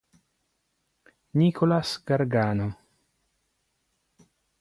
Nicholas Gargano